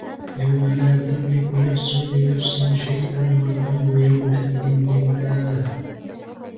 يوم لا تملك نفس لنفس شيئا والأمر يومئذ لله